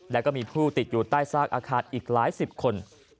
และก็มีผู้ติดอยู่ใต้ซากอาคารอีกหลายสิบคน